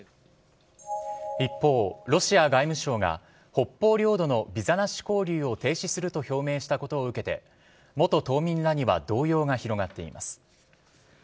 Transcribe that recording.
一方、ロシア外務省が、北方領土のビザなし交流を停止すると表明したことを受けて、元島民らには動揺が広がっています。